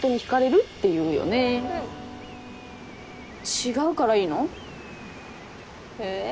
違うからいいの？え！